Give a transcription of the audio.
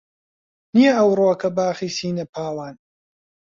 نییە ئەوڕۆکە باخی سینە پاوان